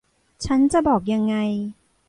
ฉันจะบอกยังไง